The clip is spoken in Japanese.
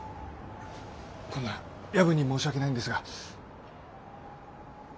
こんな夜分に申し訳ないんですが。